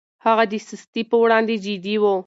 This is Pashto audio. هغه د سستي پر وړاندې جدي و.